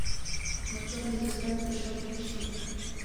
مچان د بستر تر شا پټ شي